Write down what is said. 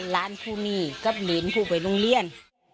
ร้านภูนีกับแล้วจะพูดไปโรงเรียน